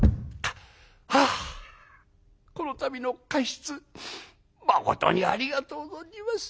「はあこの度の加筆まことにありがとう存じます。